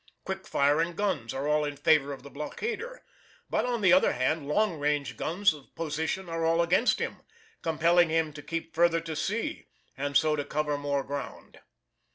Quick firing guns are all in favour of the blockader, but on the other hand, long range guns of position are all against him, compelling him to keep further to sea and so to cover more ground.